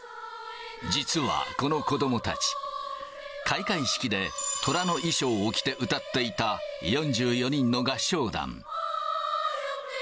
実はこの子どもたち、開会式でトラの衣装を着て歌っていた４４人の合唱団。